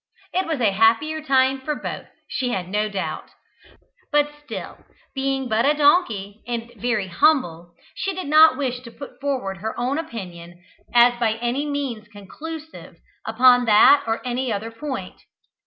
It was a happier time for both, she had no doubt; but still, being but a donkey, and very humble, she did not wish to put forward her opinion as by any means conclusive upon that or any other point.